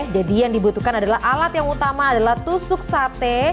jadi yang dibutuhkan adalah alat yang utama adalah tusuk sate